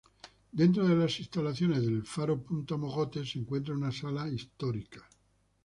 Dentro de las instalaciones del Faro Punta Mogotes se encuentra una Sala Histórica.